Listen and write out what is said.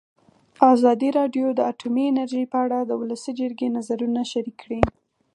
ازادي راډیو د اټومي انرژي په اړه د ولسي جرګې نظرونه شریک کړي.